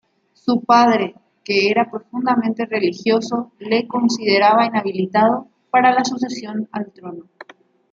Su padre, que era profundamente religioso, le consideraba inhabilitado para la sucesión al trono.